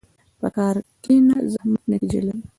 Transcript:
په کار کښېنه، زحمت نتیجه لري.